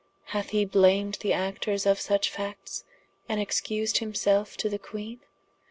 hath he blamed the auctours of such facts, and excused himself to the Queene?